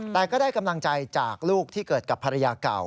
แต่ก็ได้กำลังใจจากลูกที่เกิดกับภรรยาเก่า